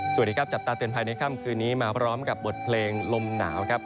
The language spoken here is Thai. สวัสดีครับจับตาเตือนภัยในค่ำคืนนี้มาพร้อมกับบทเพลงลมหนาวครับ